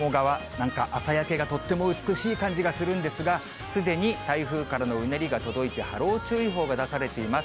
なんか朝焼けがとっても美しい感じがするんですが、すでに台風からのうねりが届いて、波浪注意報が出されています。